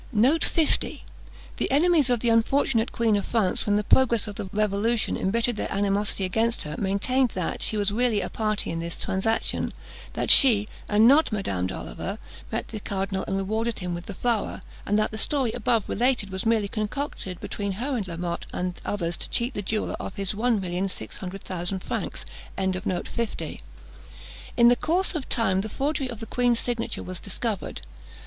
The enemies of the unfortunate Queen of France, when the progress of the Revolution embittered their animosity against her, maintained that she was really a party in this transaction; that she, and not Mademoiselle D'Oliva, met the cardinal and rewarded him with the flower; and that the story above related was merely concocted between her La Motte, and others to cheat the jeweller of his 1,600,000 francs. In the course of time the forgery of the queen's signature was discovered.